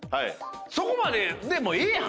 そこまででええやん。